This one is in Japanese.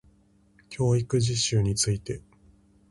教育実習について